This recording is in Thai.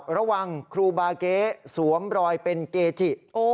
ระวังครูบาเกะสวมรอยเป็นเกจิ